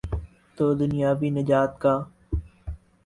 تو دنیاوی نجات کا۔